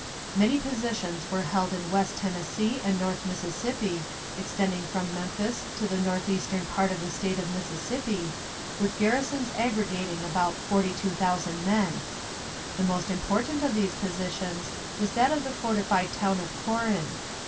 Many positions were held in West Tennessee and north Mississippi, extending from Memphis to the northeastern part of the State of Mississippi, with garrisons aggregating about 42,000 men. The most important of these positions was that of the fortified town of Corinth.